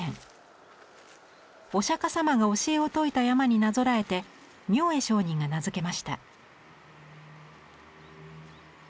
お釈迦様が教えを説いた山になぞらえて明恵上人が名付けました。